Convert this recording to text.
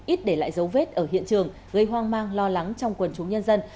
ít để lại dấu vết ở hiện trường gây hoang mang lo lắng trong quần chúng nhân dân